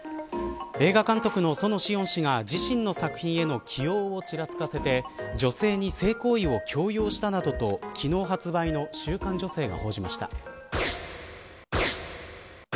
映画監督の園子温氏が自身の作品への起用をちらつかせて女性に性行為を強要したなどと昨日発売の週刊女性が報じました。